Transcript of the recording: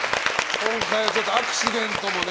今回はアクシデントもね。